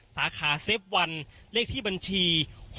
สาขาเซฟวันเลขที่บัญชี๖๖